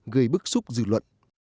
gây bức xúc dự luận